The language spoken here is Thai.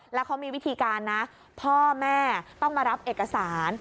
แล้วเขามีวิธีการนะพ่อแม่ต้องมารับเอกสาร